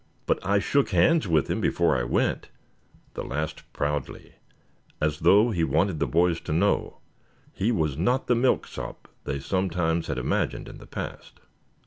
But I shook hands with him before I went," the last proudly, as though he wanted the boys to know he was not the milksop they sometimes had imagined in the past.